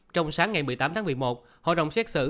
trong sáng ngày một mươi tám tháng một mươi một hội đồng xét xử